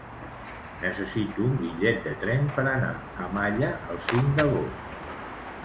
Necessito un bitllet de tren per anar a Malla el cinc d'agost.